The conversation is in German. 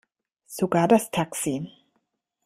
Sogar das Taxi.